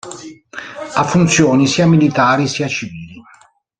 Ha funzioni sia militari sia civili.